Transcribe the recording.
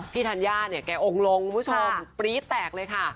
ธัญญาเนี่ยแกองค์ลงคุณผู้ชมปรี๊ดแตกเลยค่ะ